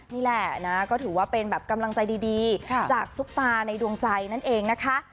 นี่แหละนะก็ถือว่าเป็นแบบกำลังใจดีจากซุปตาในดวงใจนั่นเองนะคะ